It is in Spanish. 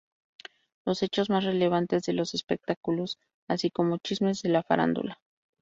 Los hechos más relevantes de los espectáculos, así como chismes de la farándula.